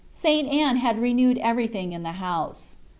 St. Anne had renewed everything in the house.